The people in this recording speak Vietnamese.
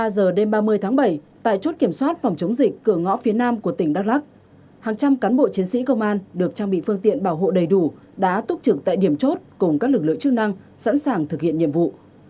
một mươi giờ đêm ba mươi tháng bảy tại chốt kiểm soát phòng chống dịch cửa ngõ phía nam của tỉnh đắk lắc hàng trăm cán bộ chiến sĩ công an được trang bị phương tiện bảo hộ đầy đủ đã túc trực tại điểm chốt cùng các lực lượng chức năng sẵn sàng thực hiện nhiệm vụ